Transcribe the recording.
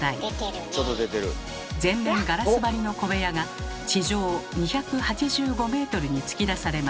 全面ガラス張りの小部屋が地上２８５メートルに突き出されます。